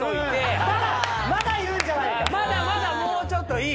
まだまだもうちょっといい。